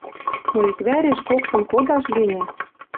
Но иквӓреш коктын кодаш гӹньӹ